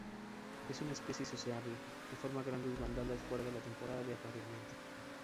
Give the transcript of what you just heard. Es una especie sociable, que forma grandes bandadas fuera de la temporada de apareamiento.